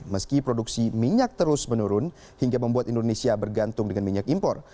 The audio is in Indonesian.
meski produksi minyak terus menurun hingga membuat indonesia bergantung dengan minyak impor